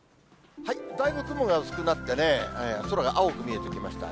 だいぶ雲が薄くなってね、空が青く見えてきました。